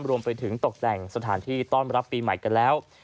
รวมไปถึงตกแต่งสถานที่ต้อนรับปีใหม่กันแล้ว